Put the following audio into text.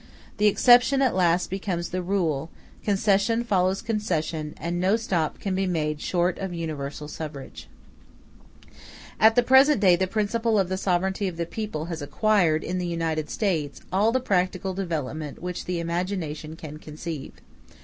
The exception at last becomes the rule, concession follows concession, and no stop can be made short of universal suffrage. At the present day the principle of the sovereignty of the people has acquired, in the United States, all the practical development which the imagination can conceive.